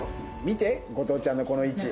見て後藤ちゃんのこの位置。